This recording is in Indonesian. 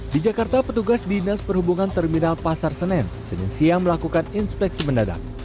di jakarta petugas dinas perhubungan terminal pasar senen senin siang melakukan inspeksi mendadak